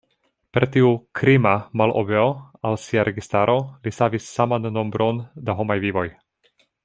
Per tiu "krima" malobeo al sia registaro li savis saman nombron da homaj vivoj.